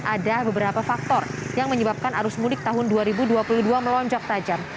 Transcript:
ada beberapa faktor yang menyebabkan arus mudik tahun dua ribu dua puluh dua melonjak tajam